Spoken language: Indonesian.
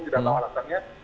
tidak tahu alasannya